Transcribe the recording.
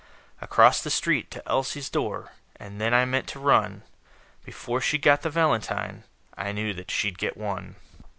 Across the street to Elsie's door; And then I meant to run Before she got the valentine I knew that she'd get one.